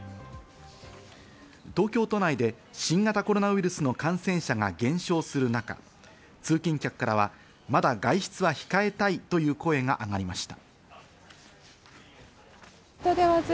東京都内で新型コロナウイルスの感染者が減少する中、通勤客からはまだ外出は控えたいという声が上がりました。